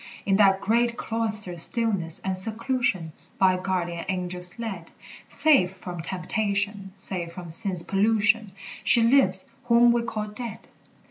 In that great cloister's stillness and seclusion, By guardian angels led, Safe from temptation, safe from sin's pollution, She lives whom we call dead.